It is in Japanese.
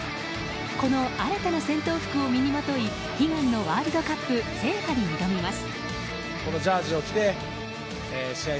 この新たな戦闘服を身にまとい悲願のワールドカップ制覇に挑みます。